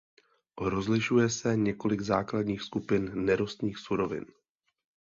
Rozlišuje se několik základních skupin nerostných surovin.